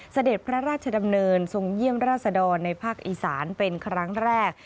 เสด็จพระราชดำเนินทรงเยี่ยมราชดรในภาคอีสานเป็นครั้งแรก